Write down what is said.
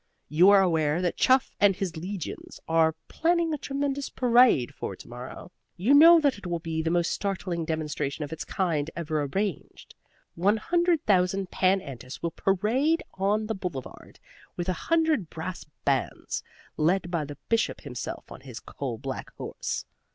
You are aware that Chuff and his legions are planning a tremendous parade for to morrow. You know that it will be the most startling demonstration of its kind ever arranged. One hundred thousand pan antis will parade on the Boulevard, with a hundred brass bands, led by the Bishop himself on his coal black horse.